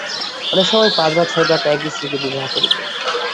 অনেক সময় পাঁচ বা ছয় ভ্রাতা একই স্ত্রীকে বিবাহ করিত।